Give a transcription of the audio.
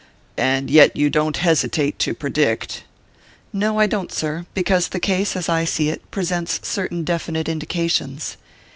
"And yet you don't hesitate to predict " "No, I don't, sir; because the case, as I see it, presents certain definite indications."